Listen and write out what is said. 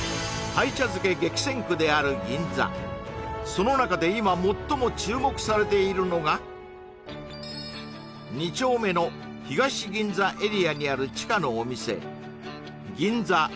その中で今最も注目されているのが２丁目の東銀座エリアにある地下のお店